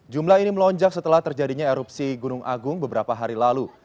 jumlah ini melonjak setelah terjadinya erupsi gunung agung beberapa hari lalu